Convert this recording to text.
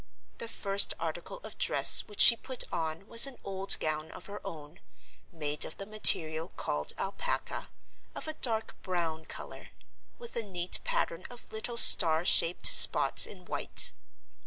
The first article of dress which she put on was an old gown of her own (made of the material called "alpaca"), of a dark brown color, with a neat pattern of little star shaped spots in white.